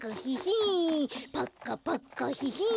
パッカパッカヒヒン！